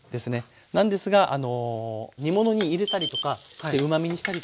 なんですが煮物に入れたりとかしてうまみにしたりとか。